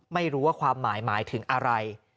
ไม่รู้ว่าความหมายหมายถึงอะไร